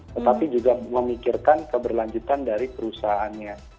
tetapi juga memikirkan keberlanjutan dari perusahaannya